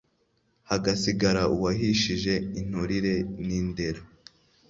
hagasigara uwahishije inturire n’ indera :